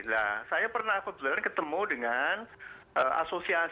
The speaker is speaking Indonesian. nah saya pernah ketemu dengan asosialnya